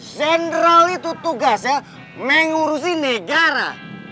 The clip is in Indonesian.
sentral itu tugasnya mengurusi negara